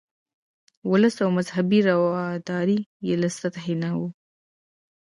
ولسي او مذهبي رواداري یې له سطحې نه وه.